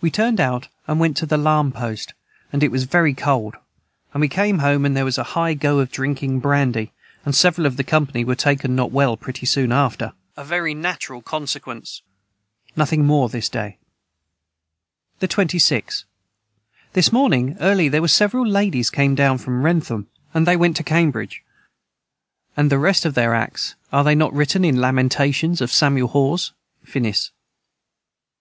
We turned out and went to the Larm post and it was very cold and we came home and there was a high go of Drinking Brandy and several of the company were taken not well prety soon after nothing more this day. [Footnote 175: A very natural consequence.] the 26. This morning early their was several Laidies came down from wrentham and they went to cambridg and the rest of their acts are they not writen in the Lamentations of Samuel Haws, finis.